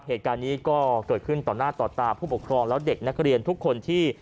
เหตุการณ์นี้ก็เกิดขึ้นต่อหน้าต่อตาผู้ปกครองแล้วเด็กนักเรียนทุกคนที่